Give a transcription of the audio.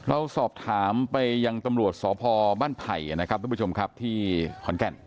เราสอบถามไปยังตำรวจสพบ้านไผ่นะครับทุกผู้ชมครับที่ขอนแก่น